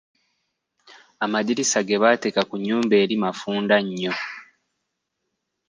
Amaddirisa ge bateeka ku nnyumba eri mafunda nnyo.